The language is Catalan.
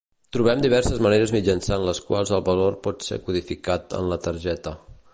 Trobem diverses maneres mitjançant les quals el valor pot ser codificat en la targeta.